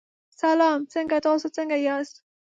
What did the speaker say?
سلام څنګه تاسو څنګه یاست.